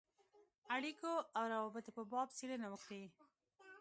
اړېکو او روابطو په باب څېړنه وکړي.